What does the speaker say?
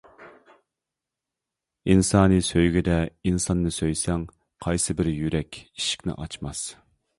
ئىنسانى سۆيگۈدە ئىنساننى سۆيسەڭ، قايسى بىر يۈرەك ئىشىكنى ئاچماس.